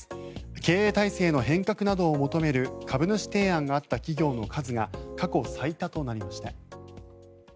経営体制の変革などを求める株主提案があった企業の数が過去最多となりました。